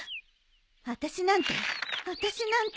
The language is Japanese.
あたしなんてあたしなんて。